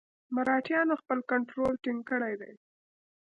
مرهټیانو خپل کنټرول ټینګ کړی دی.